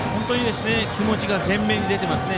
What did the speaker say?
気持ちが前面に出ていますね。